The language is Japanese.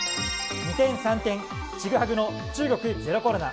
二転三転ちぐはぐの中国ゼロコロナ。